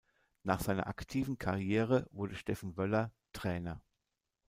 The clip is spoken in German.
Nach seiner aktiven Karriere wurde Steffen Wöller Trainer.